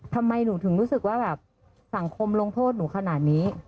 ทำไมหนูถึงรู้สึกว่าแบบสังคมลงโทษหนูขนาดนี้